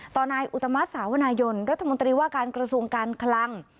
นายอุตมัติสาวนายนรัฐมนตรีว่าการกระทรวงการคลัง